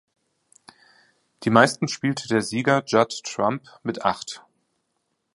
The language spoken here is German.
Die meisten spielte der Sieger Judd Trump mit acht.